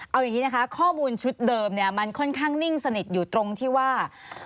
เอาอย่างนี้นะคะข้อมูลชุดเดิมเนี่ยมันค่อนข้างนิ่งสนิทอยู่ตรงที่ว่า